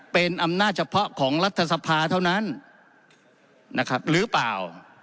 เป็นอำนาจเฉพาะของรัฐสภาเท่านั้นนะครับหรือเปล่า